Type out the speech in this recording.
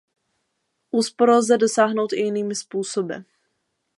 Úspor lze dosáhnout i jinými způsoby.